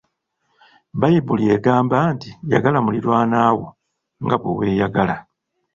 Bbayibuli egamba nti yagala muliraanwa wo nga bwe weeyagala.